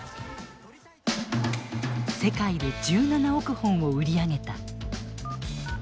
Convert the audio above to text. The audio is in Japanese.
世界で１７億本を売り上げた。